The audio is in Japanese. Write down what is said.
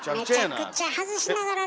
めちゃくちゃ外しながらね。